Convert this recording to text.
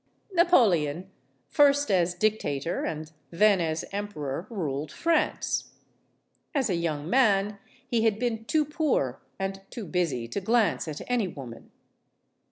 Napoleon, first as dictator and then as emperor, ruled France. As a young man, he had been too poor and too busy to glance at any woman.